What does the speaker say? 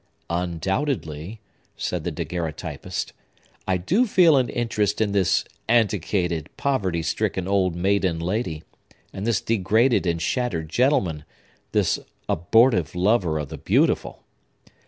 "Undoubtedly," said the daguerreotypist, "I do feel an interest in this antiquated, poverty stricken old maiden lady, and this degraded and shattered gentleman,—this abortive lover of the beautiful.